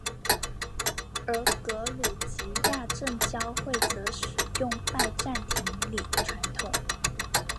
而格鲁吉亚正教会则使用拜占庭礼传统。